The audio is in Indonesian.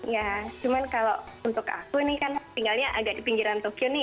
ya cuman kalau untuk aku ini kan tinggalnya agak di pinggiran tokyo nih